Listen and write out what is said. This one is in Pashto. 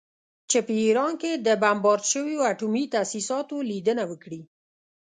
چې په ایران کې د بمبارد شویو اټومي تاسیساتو لیدنه وکړي